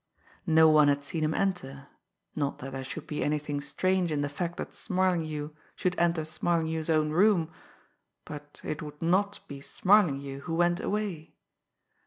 No one had seen him enter not that there should be anything strange in the fact that Smarlinghue should enter Smarlinghue's own room, but it would not be Smarlinghue who went away!